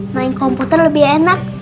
main komputer lebih enak